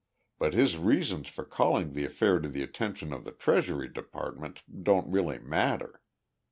But his reasons for calling the affair to the attention of the Treasury Department don't really matter.